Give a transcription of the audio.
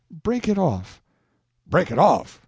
Break it off." "Break it off?